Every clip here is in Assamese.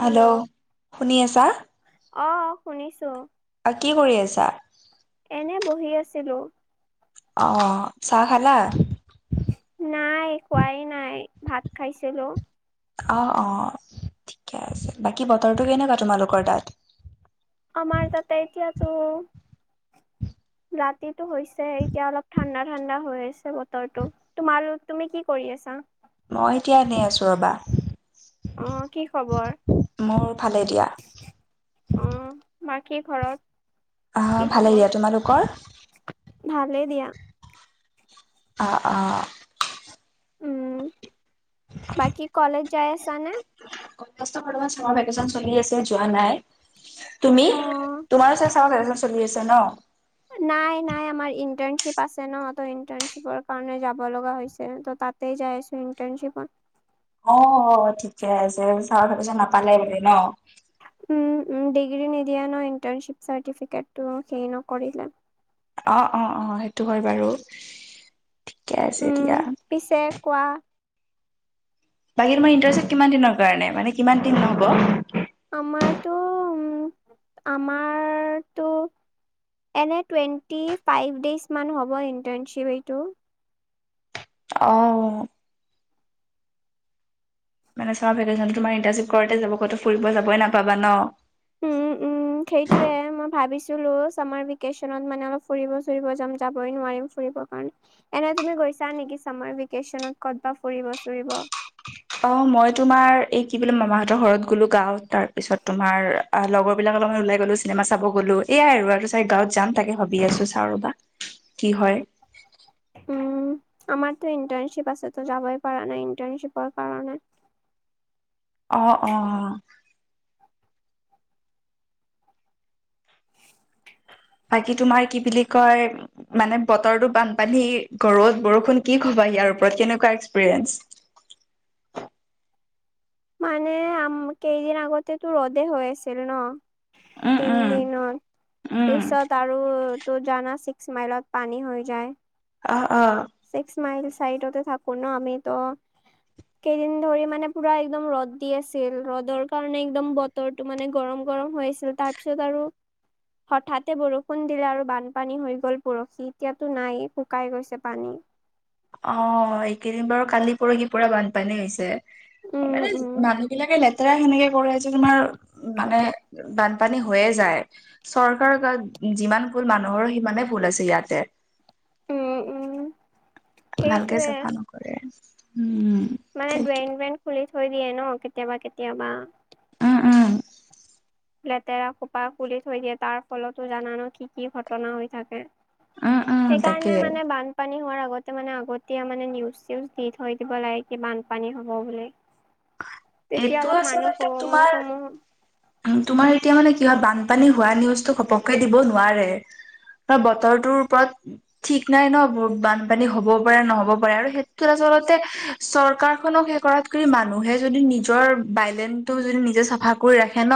হেল্ল' শুনি আছা অ শুনিছো কি কৰি আছা। এনে বহি আছিলোঁ। অ চাহ খালা। নাই খোৱাই নাই ভাত খাইছিলো। অ অ ঠিকে আছে বাকী বতৰটো কেনেকুৱা তোমালোকৰ তাত। আমাৰ তাতে এতিয়া তো ৰাতিটো হৈছে এতিয়া অলপ ঠাণ্ডা ঠাণ্ডা হৈ আছে বতৰটো। তোমাৰ, তুমি কি কৰি আছা মই এতিয়া এনেই আছো ৰবা অহ কি খবৰ? মোৰ ভালে দিয়া অ বাকী ঘৰত আহ কি ভালে দিয়া খবৰ? তোমালোকৰ ভালেই দিয়া অ অ উম বাকী কলেজ যাই আছা নে কলেজ ত বৰ্তমান চামাৰ ভেকেচন চলি আছে যোৱা নাই তুমি অ তোমাৰো চামাৰ ভিকেচন চলি আছে ন নাই নাই আমাৰ ইণ্টাৰ্ণশ্বিপ আছে ন ত ইন্টাৰ্ণশ্বিপৰ কাৰণে যাব লগা হৈছে ত তাত টেই যাইছো ইণ্টাৰ্ণশ্বিপত অ ঠিকে আছে চামাৰ ভিকেচন নাপালে বোলে ন উম উম ডিগ্ৰী নিদিয়ে ন ইণ্টাৰ্ণশ্বিপ চাৰ্টিফিকেটটো সেই নকৰিলে অ অ অ সেইটো হয় বাৰু ঠিকে আছে উম, এতিয়া পিছে কোৱা বাকী তোমাৰ ইণ্টাৰচিপ কিমান দিনৰ কাৰণে মানে কিমান দিন নহ'ব আমাৰতো উ আমাৰতো এনে টুৱেণ্টি ফাইভ ডেইজমান হ'ব ইণ্টাৰ্ণশ্বিপ এইটো অ মানে চামাৰ ভেকেশ্যনটো তোমাৰ ইণ্টাণচিপ কৰোটো যাব ক'ত ফুৰিব যাবই নাপাবা ন। উম উম সেইটোয়ে মই ভাবিছিলো চামাৰ ভেকেচনত মানে অলপ ফুৰিব- ফুৰিব যাম যাবই নোৱাৰিম ফুৰিব কাৰণে- এনে তুমি গৈছা নেকি চামাৰ, ভেকেশচনত ক'ত বা ফুৰিব চুৰিব। অঁ, মই তোমাৰ এই কি বোলো মামাহতৰ ঘৰত গ'লো গাঁওত তাৰপিছত তোমাৰ- অ লগৰ বিলাকৰ ওলাই গ'লো চিনেমা চাব গ'লো এয়াই আৰু চাই গাঁৱত যাম তাকে ভাবি আছো চাও ৰবা। কি হয়? উম আমাৰটো ইণ্টাৰ্ণশ্বিপ আছে যাবই পাৰা নাই ইণ্টাৰ্ণশ্বিপৰ কাৰণে- অঁ অঁ অঁ বাকী তোমাৰ কি বুলি কয়? মানে বতৰটো বানপানী ৰ'দ বৰষুণ কি কব ইয়াৰ ওপৰত কেনেকুৱা এক্সপিৰিয়েন্ঞ্চ- মানে কেইদিন আগতেতো ৰ'দে হৈ আছিল ন। উম, তিন উম, দিনত উম, পিছত আৰু- তো জানা ছিক্স মাইলত পানী হৈ যায়। অঁ অঁ ছিক্স মাইল চাইটতে থাকো ন, আমিতো- কেইদিন ধৰি মানে পুৰা একদম ৰ'দ দি আছিল, ৰ'দৰ কাৰণে একদম ব- বতৰটো মানে গৰম গৰম হৈ আছিল তাৰ পিছত আৰু- হঠাতে বৰষুণ দিলে আৰু বানপানী হৈ গল পৰহি এতিয়াতো নাই শুকাই গৈছে। পানী- অঁ, এইকেইদিন বাৰু কালি পৰহি পুৰা বানপানী হৈছে উম মানে উম মানুহ- এইবিলাকে লেতেৰা সেনেকে কৰে যে, তোমাৰ মানে বানপানী হৈয়ে যায়। চৰকাৰৰ গাত যিমান ভুল মানুহৰো সিমানে ভুল আছে ইয়াতে- উম উম। ভালকে সেইটোয়ে চাফা নকৰে উম। মানে তাকে ড্ৰেইন ব্ৰেইন খুলি থৈ দিয়ে ন, কেতিয়াবা কেতিয়াবা- উম উম লেতেৰা খোপা খুলি থৈ দিয়ে, তাৰ ফলতো জানান কি কি ঘটনা হৈ থাকে। উম উম তাকে সেইকাৰণে মানে বান- বানপানী হোৱাৰ আগতে মানে আগতে মানে নিউজ চিউজ দি থৈ দিব লাগে, কি বানপানী হ'ব বো- এইটো আচলতে সমূহ তোমাৰ- সমূহ তোমাৰ এতিয়া মানে কি হয় বানপানী হোৱা নিউজটো ঘপকে দিব নোৱাৰে। হয় বতৰটোৰ ওপৰত- ঠিক নাই ন বহুত বানপানী হ'বও পাৰে, নহ'ব পাৰে আৰু সেইটোত আচলতে- চৰকাৰখনক শে কৰাতকৈ মান- মানুহে যদি নিজৰ বাইলেনটো যদি নিজে চাফা কৰি ৰাখে ন।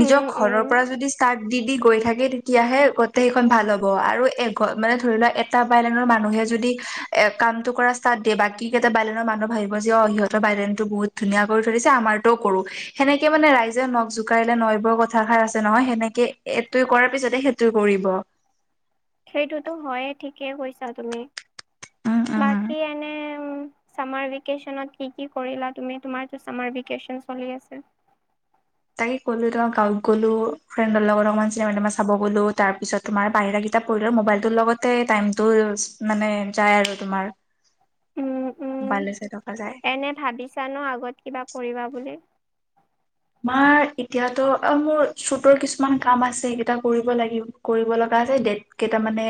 নিজৰ উম উম ঘৰৰ পৰা যদি ষ্টাৰ্ট দি দি গৈ থাকে। তিয়াহে গোটেই সেইখন ভাল হব আৰু এ মানে ধৰি লোৱা- তা বাইলনৰ মানুহে যদি এ কামটো কৰে। তাত দিয়ে বাকী কেইটা বাইলেনৰ মানুহ ভাবিব যে সিহতৰ বাইলেন- বহুত ধুনীয়া কৰি থৰি দিছে আমাৰটো কৰো সেনেকে মানে ৰাইজে নখ জোকাৰিলে নৈ বোৰ কথাষাৰ আছে নহয় সেনেকে- এইটো কৰাৰ পিছতে সেইটো কৰিব। সেইটোতো হয়ে ঠিকেই কৈছা তুমি উম উম বাকী এনে- উম চামাৰ ভেকেচণত কি কি কৰিলা তুমি, তোমাৰ ত চামাৰ ভেঁকেচন চলি আছে, তাকে ক'লো ত গাঁৱত গ'লো ফ্ৰেণ্ডৰ লগত অকণ মান চিনেমা চাব গ'লো, তাৰপিছত- তোমাৰ বাহিৰা কিতাপ পঢ়িলে মোবাইলটোৰ লগতে টাইমটো মানে যায় আৰু তোমাৰ উম উম বালশে থকা যায়। এনে ভাবিছা ন আগত কিবা কৰিবা বুলি। মাৰ এতিয়াতো মোৰ চতৰ কিছুমান কাম আছে সেইকেইটা কৰিব লাগিব। কৰিব লগা আছে দেট কেইটা মানে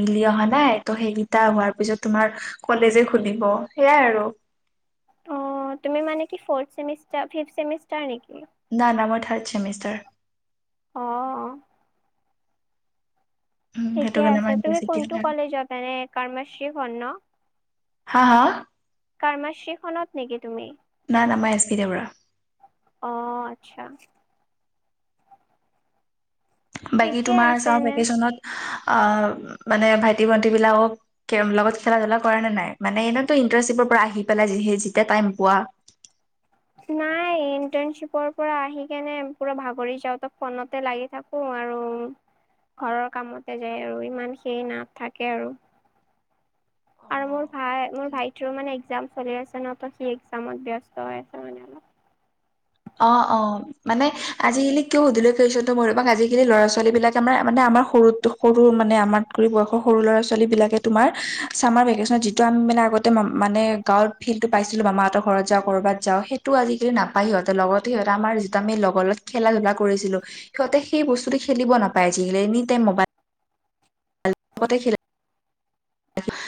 মিলি অহা নাই ত' সেইকেইটা হোৱাৰ পিছত তোমাৰ- কলেজে খুলিব, সেইয়া আৰু। অ, তুমি মানে কি ফউৰ্থ ছেমিষ্টাৰ, ফিফ ছেমিষ্টাৰ নেকি? না-না মই থাৰ্ড ছেমিষ্টাৰ। অ সেইটো ঠিকে কাৰণে আছে। মই তুমি ইউনিভাৰ্চিটি কোনটো কলেজত এনে কাৰ্মাশ্ৰী কৰ্ণ? হা হা? কাৰ্মাশ্ৰীখনত নেকি তুমি? না না, মই এছ চি দেউৰা। অ' আচ্ছা। বাকী ঠিকে তোমাৰ আছে চাওঁ এনে ভেকেশচনত আহ' মানে ভাইটি-ভণ্টি বিলাকক তেওঁ লগত খেলা-ধূলা কৰা নে নাই, মানে এনেইতো ইণ্টাৰশ্বিপৰ পৰা আহি পেলাই যি যেতিয়া টাইম পোৱা নাই ইণ্টাৰ্ণশ্বিপৰ পৰা আহি কেনে পুৰা ভাগৰি যাওঁ, ত ফনতে লাগি থাকো। অ' আৰু ঘৰৰ কামতে যায় আৰু ইমান সেই নাথাকে আৰু। অ আৰু মোৰ ভাই মোৰ সেইটোৱে ভাইটিৰো মানে এক্সাম চলি আছে ন, ত সি এক্সামত ব্যস্ত হৈ আছে মানে অলপ। অ, অ। মানে আজিকালি কিয় সুধিলোঁ কৈছোঁ ত মই বা আজিকালি ল'ৰা-ছোৱালী বিলাকে আমাৰ মানে আমাৰ সৰুতো সৰু মানে আমাত কৰি বয়সৰ সৰু ল'ৰা ছোৱালী বিলাকে তোমাৰ, ছামাৰ ভেকেশচন যিটো আমি মানে আগতে মানে গাঁৱত ফিল্ডটো পাইছিলোঁ মামাহঁতৰ ঘৰত যাওঁ, ক'ৰবাত যাওঁ, সেইটো আজকালি নাপায় সিহঁতে। ত লগতে সিহঁতে আমাৰ যিটো আমি লগৰ লগত খেলা-ধূলা কৰিছিলোঁ। সিহঁতে সেই বস্তুটো খেলিব নাপায়। যি এনি টাইম মোবাইল তে খেলে।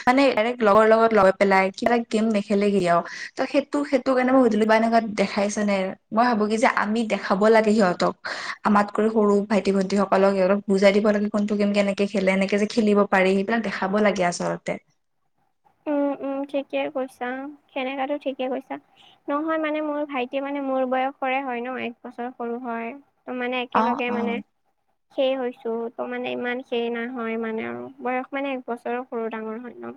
মানে ডাইৰেক্ট লগৰ লগত লৈ পেলাই কিবা গেম নেখেলে কিয়? ত সেইটো-সেইটো কাৰণে মই গধূলি বা এনেকা দেখাইছে নে। মই ভাবো কি যে আমি দেখাব লাগে সিহঁতক। আমাতকৈও সৰু ভাইটি, ভন্টি সকলক অলপ বুজাই দিব লাগে। কোনটো, কি, কেনেকে খেলে এনেকে যে খেলিব পাৰি, সেইবিলাক দেখাব লাগে আচলতে। উম উম' ঠিকে কৈছা, সেনেকাতো ঠিকে কৈছা। নহয় মানে মোৰ ভাইটি মানে মোৰ বয়সৰে হয় ন, এক বছৰ সৰু হয়। ত মানে অ একেলগে মান [inaudible] সেই হৈছোঁ, তো মানে ইমান সেই নহয় মানে আৰু বয়স মানে একবছৰৰ সৰু, ডাঙৰ হ'ল ন।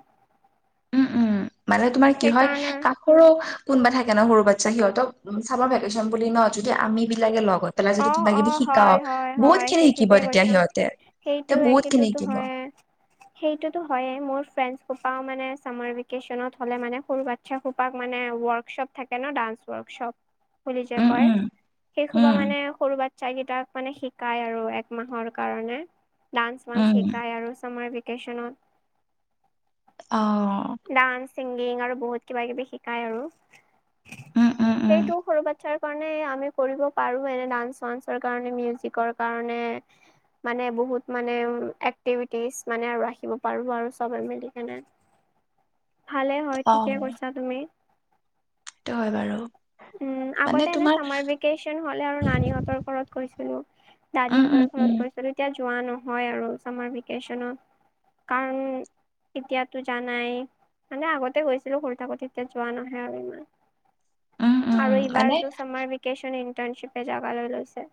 উম উম মানে তোমাৰ কি হয় সেইকাৰণে কাক? সৰু কোনোবা থাকে ন সৰু বাচ্ছা সিহঁতক উম' চামাৰ ভেকেশচন বুলি ন যদি আমি বিলাকে লগত পেলাই অ যদি অ কিবা-কিবি হয় শিকাও, হয় হয় বহুত খিনি সেই শিকিব ঠিকে তেতিয়া কৈছা। সিহঁতে। ত সেইটোৱে বহুত খিনি সেইটোতো শিকিব। হয়ে। সেইটোতো হয়য়েই, মোৰ ফ্ৰেণ্ডছ সোপাও মানে ছামাৰ ভেকেশচনত হ'লে মানে ক'ৰবাত সে সোপাক মানে ৱৰ্কশ্বপ থাকে ন, ডান্স ৱৰ্কশ্বপ বুলি যে উম কয়। উম সেই সোপা উম মানে সৰু বাচ্ছা কেইটাক মানে শিকাই আৰু এক মাহৰ কাৰণে। ডান্স-ৱান্স উম শিকাই আৰু চামাৰ ভেকেশচনত। অ ডান্স, ছিংগিং আৰু বহুত কিবা-কিবি শিকায় আৰু। উম, উম, উম, সেইটো সৰু বাচ্ছাৰ কাৰণে আমি কৰিব পাৰো। এনে ডান্স-ৱান্সৰ কাৰণে, মিউজিকৰ কাৰণে। মানে বহুত মানে এক্টিভিটিজ মানে আৰু ৰাখিব পাৰো আৰু চবে মিলি কেনে। [inaudible] ভালে হয়, অ', ঠিকে কৈছা তুমি। সেইটো হয় বাৰু উম' মানে আগতে এনে তোমাৰ চামাৰ ভেক ভেকেশন হ'লে আৰু নানি হতৰ ঘৰত গৈছিলোঁ, উম, দাদিহতৰ উম, ঘৰত উম, গৈছিলোঁ। যোৱা নহয় আৰু চামাৰ ভেকেশনত কাৰণ এতিয়াতো জানাই। মানে আগতে গৈছিলো আৰু থাকোতে এতিয়া যোৱা নহয় আৰু ইমান। উম, উম, আৰু মানে এইবাৰতো ছামাৰ ভেকেশ্যন ইণ্টাৰ্ণশ্বিপে জাগালৈ লৈছে।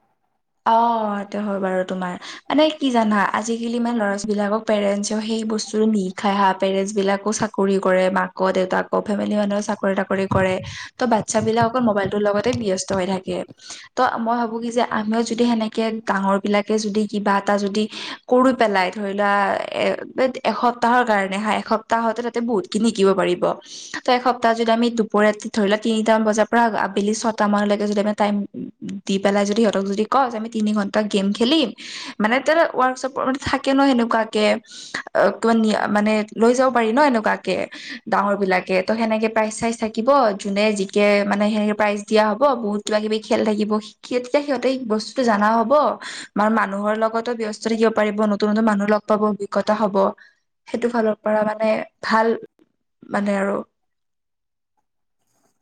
অ, সেইটো হয় বাৰু তোমাৰ মানে কি জানা আজিকালি মানে ল'ৰা ছোৱালী পেৰেনচেও সেই বস্তুটো নিহিকাই হা। পেৰেণ্টছ বিলাকো চাকৰি কৰে মাক দেউতাক ফেমিলি মানুহে চাকৰি তাকৰি কৰে ত' বাচ্ছা বিলাক অকল মোবাইল ৰ লগতে ব্যস্ত। হৈ থাকে, ত মই ভাবো কি যে আমি যদি সেনেকে ডাঙৰ বিলাকে যদি কিবা এটা যদি কৰি পেলাই ধৰি লোৱা এ, এসপ্তাহৰ কাৰণে হা এসপ্তাহতে তাতে বহুত শিকিব পাৰিব। ত এসপ্তাহ যদি আমি দুপৰীয়া ধৰি লোৱা তিনিটামান বজাৰ পৰা আবেলি ছয়তা মানলৈকে যদি আমি টাইম দি পেলাই যদি সিহতক যদি কও আমি তিনি ঘণ্টা গেম খেলিম। মানে তে ৱৰ্কশপৰ মানে থাকে ন সেনেকুৱাকে। অ, ক মানে লৈ যাব পাৰি ন এনেকুৱাকে, ডাঙৰ বিলাকে ত' সেনেকে প্ৰাইজ চাইজ থাকিব। যোনে জিকে মানে সেনেকে প্ৰাইজ দিয়া হব। বহুত কিবা-কিবি খেল থাকিব, তেতিয়া সিহঁতে বস্তু বস্ত জানা হব আমাৰ মানুহৰ লগতো ব্যস্ত থাকিব পাৰিব, নতুন-নতুন মানুহ লগ পাব অভিজ্ঞতা হব। সেইটো ফালৰ পৰা মানে ভাল মানে আৰু।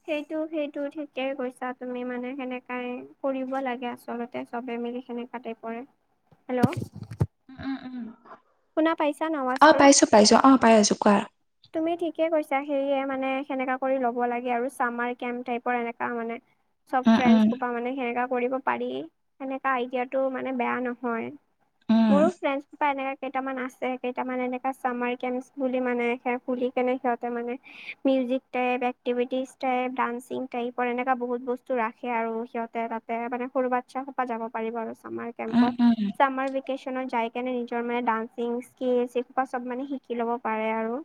সেইটো-সেইটো ঠিকেই কৈছা তুমি মানে। সেনেকাই কৰিব লাগে আচলতে চবে মিলি সেকেনে। তাতে পৰে। হেল্লো', উম, উম, উম, শুনা পাইছা ন আৱাজতো? পাইছোঁ অ, পাই আছো কোৱা? তুমি ঠিকে কৈছা সেয়ে মানে সেনেকা কৰি ল'ব লাগে আৰু চামাৰ কেম্প টাইপৰ এনেকা মানে। চব উম, ফ্ৰেণ্ড উম, সোপা মানে সেনেকা কৰিব পাৰি সেনেকা আইডিয়াটো মানে বেয়া নহয়। উম, মোৰো ফ্ৰেণ্ডচ বা এনেকা কেইটামান আছে। কেইটামান এনেকা চামাৰ স্কেন বুলি মানে খুলি কেনে সিহঁতে মানে, music type, activities type, dancing টাইপৰ এনেুৱা বহুত বস্তু ৰাখে আৰু সিহঁতে ত মানে সৰু বাচ্ছা সোপা যাব পাৰিব আৰু চামাৰ উম, কেম্পত। উম, চামাৰ ভেকেচনত যাই কিনি আৰু নিজৰ মানে ডানসিং তেনেকুৱা চব মানে শিকি লব পাৰে আৰু।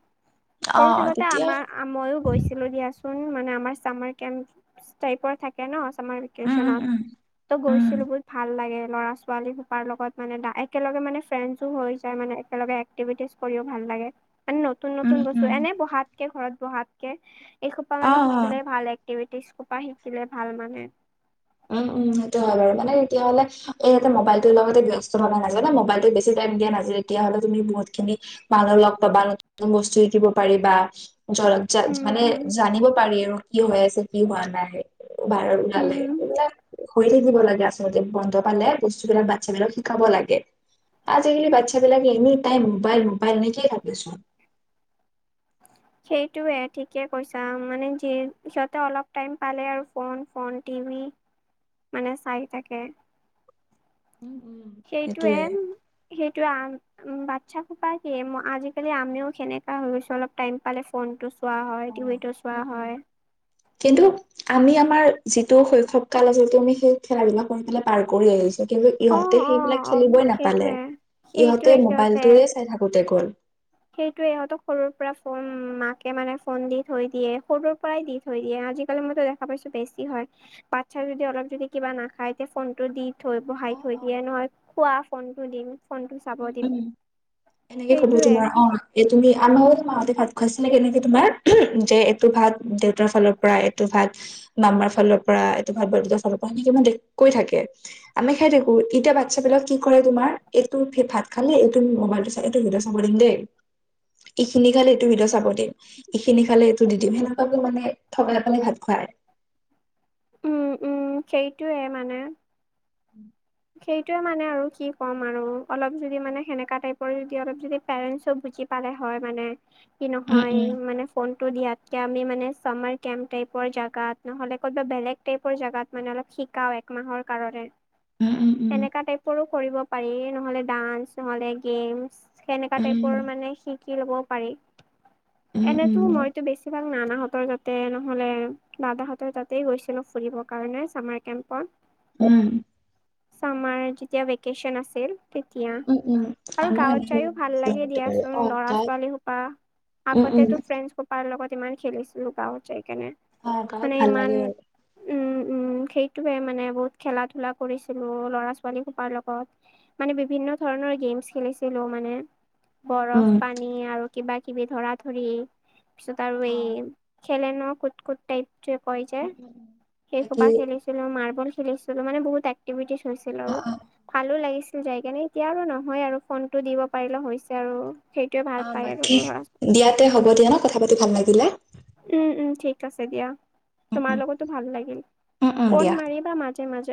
সৰু অ', থাকোঁতে তেতিয়া আমাৰ মইয়ো গৈছিলো দিয়াচোন মানে। আমাৰ চামাৰ কেম্প টাইপৰ থাকে ন, চামাৰ উম, উম, ভেকেছনট উম, ত' উম, গৈছিলো বহুত ভাল লাগে ল'ৰা ছোৱালী সোপাৰ লগত মানে একেলগে মানে ফ্ৰেণ্ডছো হৈ যায় মানে একেলগে। এক্টিভিতিচ কৰিও ভাল লাগে। মানে নতুন উম, নতুন বস্তু উম, এনে বহাতকে, ঘৰত বহাত কে এইসোপা অ', মানে অ'। শিকিলে ভাল এ এক্টিভিতিচ শিকিলে ভাল মানে। উম, উম, সেইটো হয় বাৰু মানে তেতিয়াহলে ইয়াতে মোবাইলটোৰ লগতে ব্যস্ত থাকা নাযায়। মোবাইলত বেছি টাইম দিয়া নাযায় তেতিয়াহলে তুমি বহুত খিনি মানুহ লগ পাবা, নতুন বস্তু শিকিব পাৰিবা। জ উম মানে উম জানিব পাৰি আৰু কি হৈ আছে, কি হোৱা নাই বাহিৰত ওলালে। উম এইবিলাক হৈ থাকিব লাগে, আচলতে বন্ধ পালে বস্তুবিলাক বাচ্ছাবিলাকক শিকাব লাগে। আজিকালি বাচ্ছাবিলাকে এনি টাইম মোবাইল-মোবাইল এনেকেই থাকেচোন। [inaudible] সেইটোৱে ঠিকে কৈছা মানে যি সিহঁতে অলপ টাইম পালে আৰু ফোন-ফোন টিভি, মানে চাই থাকে। [unintelligible] সেইটোৱে। সেইটোৱে বাচ্ছা সোপা কি, আজিকালি আমিও সেনেকা হৈ গৈছো অলপ টাইম পালে ফোনটো চোৱা হয়, অ', টিভিটো চোৱা উম উম। হয়। কিন্তু আমি আমাৰ যিটো শৈশৱকাল আছিলটো আমি সেই খেলাধূলা বিলাক কৰি পেলাই পাৰ কৰি আহিছো। কিন্তু অ ইহঁতে অ সেইবিলাক অ খেলিবই নাপালে, সেইটোৱে ইহঁতে সেইটোৱে সিহঁতে মোবাইলটোৱে চাই থাকোতে গ'ল। সেইটোৱে ইহঁতক সৰুৰ পৰা ফোন মাকে মানে ফোন দি থৈ দিয়ে, সৰুৰ পৰাই দি থৈ দিয়ে আজিকালি মইতো দেখা পাইছো বেছি হয়, বাচ্ছা যদি অলপ যদি কিবা নাখায় তেতিয়া ফোনটো দি থৈ বহাই অ', থৈ অ', দিয়ে নহয় খোৱা ফোনটো দিম। ফোনটো চাব দিম উম, এনেকে কব সেইটোৱে তোমাৰ অ, এ তুমি আমাৰো মাহঁতে ভাত খুৱাইছিলে কেনেকে তোমাৰ, যে এইটো ভাত দেউতাৰ ফালৰ পৰা এইটো ভাত মামাৰ ফালৰ পৰা এইটো ভাল বৰদেউতাৰ ফালৰ পৰা, সেনেকে মানে কৈ থাকে। আমি খাই থাকো এতিয়া বাচ্ছাবিলাক কি কৰে, তোমাৰ তোৰ ভাত খালি এইটো মবাইলটো চাই এইটো মোবাইলটো চাব দিম দেই। এইখিনি খালি এইটো ভিডিঅ' চাব দিম। এইখিনি খালে এইটো দি দিম, সেনেকুৱাকে মানে থগাই পেলাই ভাত খুৱাই। উম-উম সেইটোৱে মানে। [inaudible] সেইটোৱে মানে আৰু কি ক'ম, আৰু অলপ যদি মানে সেনেকা টাইপৰ যদি অলপ যদি পেৰেন্টচও বুজি পালে হয় মানে কি উম নহয় মানে ফোনটো দিয়াতকে আমি মানে চামাৰ কেম্প টাইপৰ জেগাত নহ'লে ক'ৰবাত বেলেগ গোটেইবোৰ জাগাত মানে অলপ শিকাও একমাহৰ কাৰণে। উম উম সেনেকা টাইপৰো কৰিব পাৰি নহ'লে ডান্স নহলে গেমচ। সেনেকা টাইপৰ উম মানে শিকি ল'ব পাৰি উম উম উম এনেতো মইতো বেছি কিবা নানাহঁতৰ তাতে নহ'লে দাদাহঁতৰ তাতেই গৈছিলো ফুৰিবৰ কাৰণে চামাৰ কেম্পৰ। উম, চামাৰ যেতিয়া ভেকেশ্যন আছিল। তেতিয়া উম উম উম আৰু আমিও গাঁৱত এনেকে যায়ও ভাল কৰিছিলোঁ লাগে আগতে বাৰু। অ দিয়াচোন তাত ল'ৰা-ছোৱালী সোপা উম উম আগতেতো ফ্ৰেণ্ড‌ সোপাৰ লগত ইমান খেলিছিলো গাঁৱত যায়‌ কেনে, অ গাঁৱত মানে ভাল ইমান লাগে বাৰু উম-উম সেইটোৱে মানে বহুত খেলা ধূলা কৰি খেলো ল'ৰা-ছোৱালী হোপাৰ লগত, মানে বিভিন্ন ধৰণৰ গেমছ খেলিছিলো মানে। অ বৰফ উম পানী আৰু কিবা কিবি ধৰা ধৰি পিছত আৰু এই খেলে ন কুট-কুট টাইপটোৱে কয় যে উম উম সেই বাকী হোপা খেলিছো। খেলিছিলো মাৰ্বল খেলিছিলো মানে বহুত এক্টিভিটিছ হৈছিল অ আৰু অ ভালো লাগিছিল। যাই কেনে এতিয়া আৰু নহয় আৰু ফোনটো দিব পাৰিলে হৈছে আৰু সেইটোৱে ভাল পায় আৰু ল'ৰা ছোৱালী। এতিয়া হ'ব দিয়া হা কথা পাতি ভাল লাগিলে। উম-উম ঠিক আছে দিয়া উম তোমাৰ উম লগতো ভাল লাগিল উম উম ফোন দিয়া মাৰিবা মা মাজে